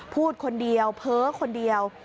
พูดคนเดียวเพ้อคนเดียว